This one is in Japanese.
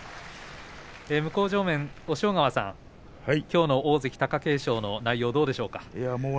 向正面押尾川さん、きょうの大関貴景勝の内容どうでしたか。